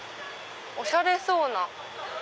おしゃれそうな。